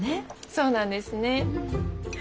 そうなんですね。